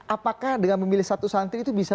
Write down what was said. apakah dengan memilih satu santri itu bisa